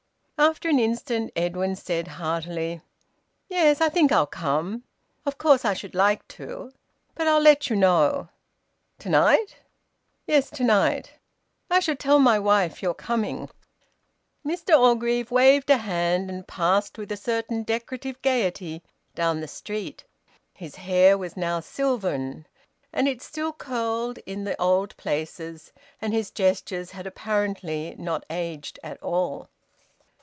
After an instant Edwin said heartily "Yes, I think I'll come. Of course I should like to. But I'll let you know." "To night?" "Yes, to night." "I shall tell my wife you're coming." Mr Orgreave waved a hand, and passed with a certain decorative gaiety down the street. His hair was now silvern, but it still curled in the old places, and his gestures had apparently not aged at all.